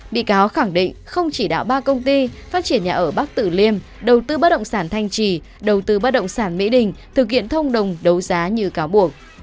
bị cáo khẳng định không chỉ đạo ba công ty phát triển nhà ở bắc tử liêm đầu tư bất động sản thanh trì đầu tư bất động sản mỹ đình thực hiện thông đồng đấu giá như cáo buộc